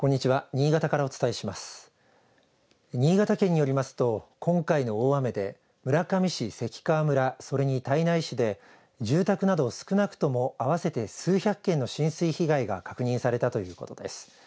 新潟県によりますと今回の大雨で村上市、関川村それに胎内市で住宅など少なくとも、合わせて数百件の浸水被害が確認されたということです。